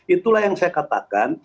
itulah yang saya katakan